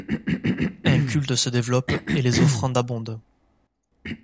Un culte se développe et les offrandes abondent.